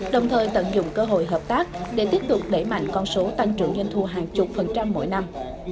đồng thời tận dụng cơ hội hợp tác để tiếp tục đẩy mạnh con số tăng trưởng doanh thu hàng chục phần trăm mỗi năm